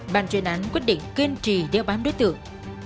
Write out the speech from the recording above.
bàn chuyên án quyết định kiên trì đeo bám đối tượng